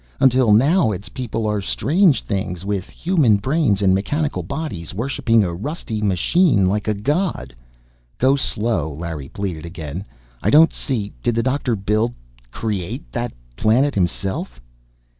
Until now its people are strange things, with human brains in mechanical bodies, worshiping a rusty machine like a god " "Go slow!" Larry pleaded again. "I don't see Did the doctor build create that planet himself?"